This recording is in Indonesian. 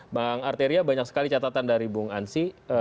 bang arteria banyak sekali catatan dari bung ansi